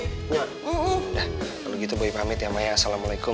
udah kalau gitu gue pamit ya maya assalamualaikum